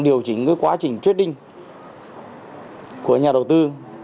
điều chính cái quá trình trading của nhà đầu tư